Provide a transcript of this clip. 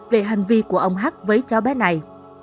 về hành vi của ông hắc với cháu bé này